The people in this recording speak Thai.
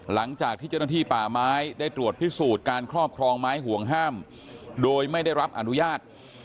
หลังจากที่เจ้าหน้าที่ป่าไม้ได้ตรวจพิสูจน์การครอบครองไม้ห่วงห้ามโดยไม่ได้รับอนุญาต